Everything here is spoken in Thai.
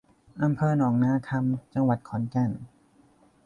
อำเภอหนองนาคำ จังหวัดขอนแก่น